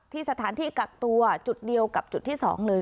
สถานที่กักตัวจุดเดียวกับจุดที่๒เลย